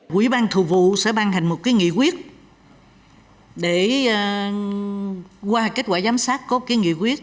quỹ ban thường vụ sẽ ban hành một cái nghị quyết để qua kết quả giám sát có cái nghị quyết